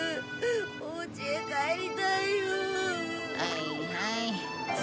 はいはい。